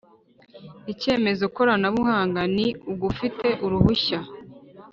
Icyemezo koranabuhanga ni ufite uruhushya